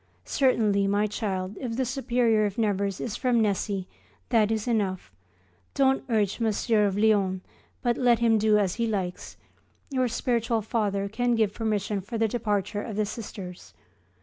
Certainly, my child, if the Superior of Nevers is from Nessy that is enough. Don't urge Mgr. of Lyons, but let him do as he likes. Your spiritual Father can give permission for the departure of the Sisters.